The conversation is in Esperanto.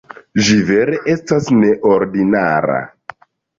Ĝi vere estas neordinara.